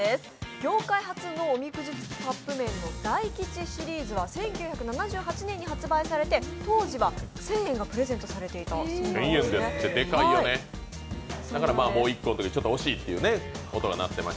業界初のおみくじ付きカップ麺の大吉シリーズは１９７８年に発売されて当時は１０００円がプレゼントされていたそうなんです。